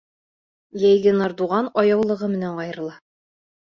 Йәйге Нардуған аяулығы менән айырыла.